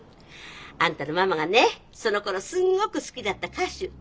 あんたのママがねそのころすんごく好きだった歌手。